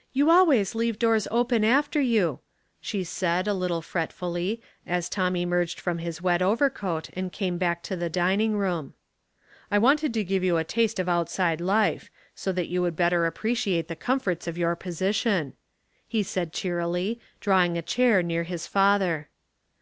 " You always leave doors open after you/' she said, a little fretfully, as Tom emerged from his wet overcoat and came back to the dining room. " I wanted to give you a taste of outside life, 60 that you would better appreciate the comforts of your position," he said, cheerily, drawing a chair near his father.